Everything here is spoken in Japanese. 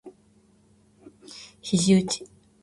肘うち